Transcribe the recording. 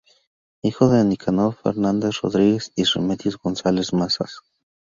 Hijo de Nicanor Fernández Rodríguez y Remedios González Mazas.